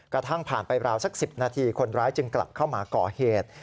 กระทั่งผ่านไปราวสัก๑๐นาทีคนร้ายจึงกลับเข้ามาก่อเหตุ